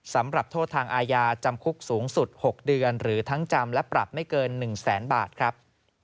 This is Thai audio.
สำหรับโทษทางอาญาจำคุกสูงสุด๖เดือนหรือทั้งจำและปรับไม่เกิน๑แสนบาทครับ